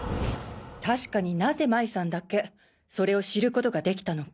確かになぜ麻衣さんだけそれを知る事ができたのか。